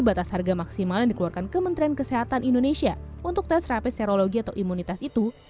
batas harga maksimal dikeluarkan kementerian kesehatan indonesia untuk tes rapi serologi atau